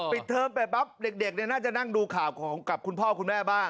เทอมไปปั๊บเด็กน่าจะนั่งดูข่าวกับคุณพ่อคุณแม่บ้าง